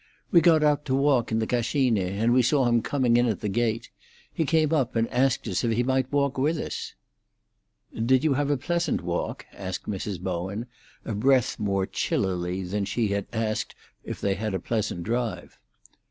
"We got out to walk in the Cascine, and we saw him coming in at the gate. He came up and asked if he might walk with us." "Did you have a pleasant walk?" asked Mrs. Bowen, a breath more chillily than she had asked if they had a pleasant drive.